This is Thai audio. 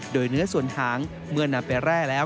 โดยเนื้อส่วนหางเมื่อนำไปแร่แล้ว